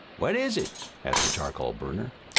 "What is it?" asked the charcoal burner.